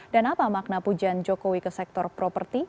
dan apa makna pujian jokowi ke sektor properti